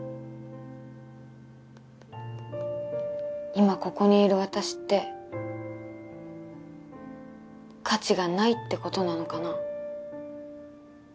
「今ここにいる私って価値がないってことなのかな？」。